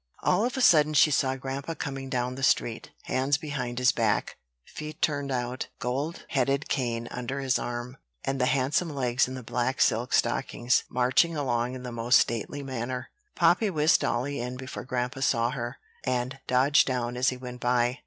All of a sudden she saw grandpa coming down the street, hands behind his back, feet turned out, gold headed cane under his arm, and the handsome legs in the black silk stockings marching along in the most stately manner. Poppy whisked dolly in before grandpa saw her, and dodged down as he went by.